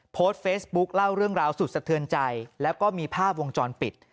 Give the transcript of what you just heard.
โพสต์เฟซบุ๊คเล่าเรื่องราวสุดสะเทือนใจแล้วก็มีภาพวงจรปิด